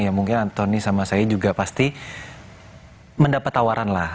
ya mungkin antoni sama saya juga pasti mendapat tawaran lah